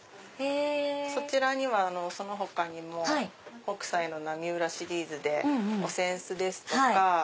そちらにはその他にも北斎の『浪裏』シリーズでお扇子ですとか。